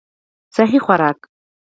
سهي خوراک